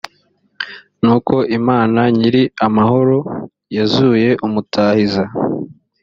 nuko imana nyir amahoro yazuye umutahiza